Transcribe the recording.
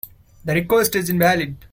The request is invalid.